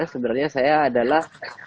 sebenarnya saya adalah